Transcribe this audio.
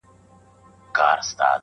ورته ښېراوي هر ماښام كومه.